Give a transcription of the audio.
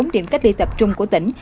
bốn điểm cách ly tập trung của tỉnh